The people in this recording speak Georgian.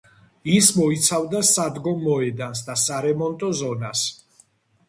ის მოიცავდა სადგომ მოედანს და სარემონტო ზონას.